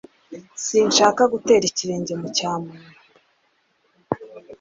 Sinshaka gutera ikirenge mucya muntu